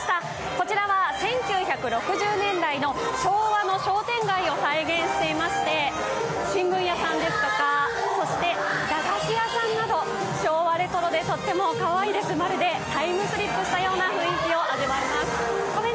こちらは１９６０年代の昭和の商店街を再現していまして、新聞屋さんですとか、駄菓子屋さんなど昭和レトロでとってもかわいいです、まるでタイムスリップしたような雰囲気を味わえます。